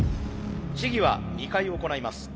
試技は２回行います。